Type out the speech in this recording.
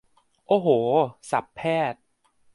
โอ้โห ศัพท์แพทย์